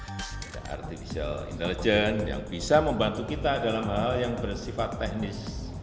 ada artificial intelligence yang bisa membantu kita dalam hal yang bersifat teknis